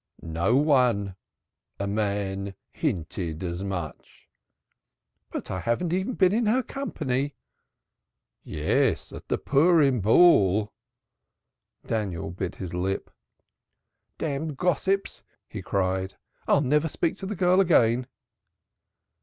"No one; a man hinted as much." "But I haven't even been in her company." "Yes at the Purim Ball." Daniel bit his lip. "Damned gossips!" he cried. "I'll never speak to the girl again."